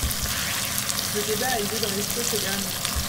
Le débat a eu lieu dans les siècles derniers.